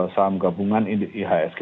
salam gabungan ihsk